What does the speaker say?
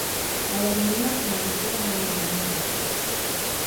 Abalimi baafuna amagoba mangi omwaka guno.